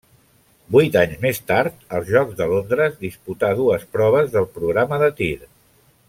Vuit anys més tard, als Jocs de Londres, disputà dues proves del programa de tir.